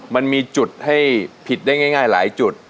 มันมีจุดให้ผิดได้ง่ายหลายจุด